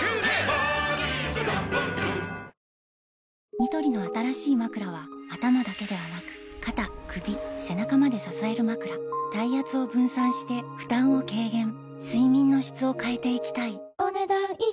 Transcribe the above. ニトリの新しいまくらは頭だけではなく肩・首・背中まで支えるまくら体圧を分散して負担を軽減睡眠の質を変えていきたいお、ねだん以上。